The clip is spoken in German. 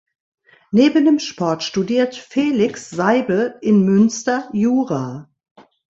Neben dem Sport studiert Felix Seibel in Münster Jura.